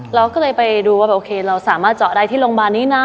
เราก็เลยไปดูว่าโอเคเราสามารถเจาะได้ที่โรงพยาบาลนี้นะ